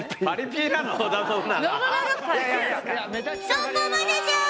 そこまでじゃ！